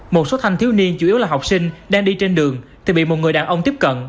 một số thanh thiếu niên chủ yếu là học sinh đang đi trên đường thì bị một người đàn ông tiếp cận